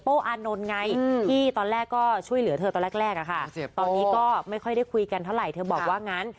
ตอนนี้ก็ไม่ค่อยได้คุยกันเท่าไหร่เธอบอกว่างั้น